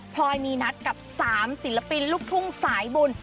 พลอยมีนัดกับ๓ศิลปินลูกทุ่งสายบุญ